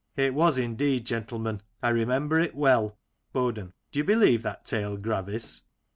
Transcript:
It was, indeed, gentle men, I remember it well. BoDEN : Do you believe that tale. Gravis